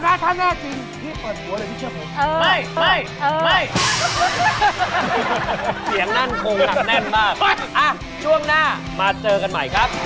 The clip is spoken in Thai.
สร้างความดีใจให้พี่โยงแล้ว